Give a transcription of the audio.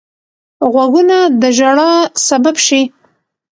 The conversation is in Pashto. غوږونه د ژړا سبب شي